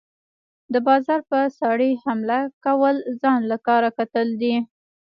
د باز په څاړي حمله كول ځان له کار کتل دي۔